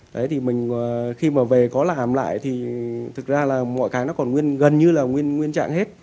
đấy thì mình khi mà về có làm hàm lại thì thực ra là mọi cái nó còn nguyên gần như là nguyên trạng hết